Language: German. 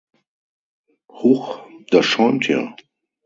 Huch, das schäumt ja.